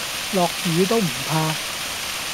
落雨都唔怕